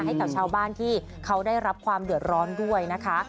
ให้กับชาวบ้านที่เขาได้รับความเดือดร้อนด้วยนะคะ